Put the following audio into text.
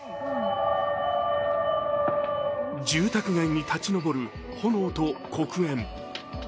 住宅街に立ち上る炎と黒煙。